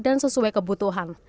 dan sesuai kebutuhan